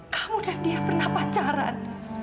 kamu dan dia pernah pacaran